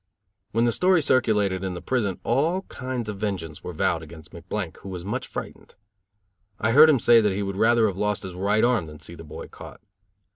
When the story circulated in the prison all kinds of vengeance were vowed against McBlank, who was much frightened. I heard him say that he would rather have lost his right arm than see the boy caught.